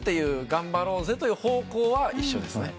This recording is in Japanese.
頑張ろうぜという方向は一緒ですね。